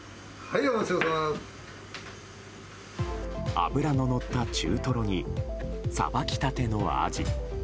脂ののった中トロにさばきたてのアジ。